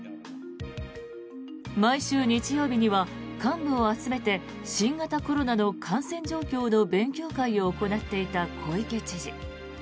毎週日曜日には幹部を集めて新型コロナの感染状況の勉強会を行っていた小池知事。